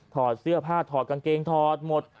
ถอดเสื้อผ้าถอดกางเกงถอดหมด